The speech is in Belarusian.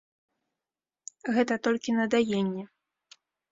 Гэта толькі на даенне.